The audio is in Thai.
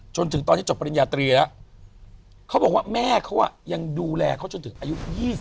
จนถึงตอนนี้จบปริญญาตรีแล้วเขาบอกว่าแม่เขายังดูแลเขาจนถึงอายุ๒๐